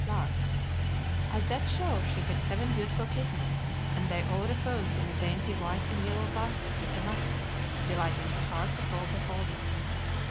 Clarke. At that show she had seven beautiful kittens, and they all reposed in a dainty white and yellow basket with the mother, delighting the hearts of all beholders.